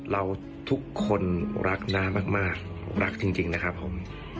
เราทุกคนรักน้ามากรักจริงนะครับผม